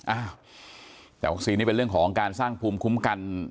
อ้าวแต่วัคซีนนี่เป็นเรื่องของการสร้างภูมิคุ้มกัน